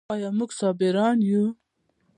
آیا موږ صابران یو؟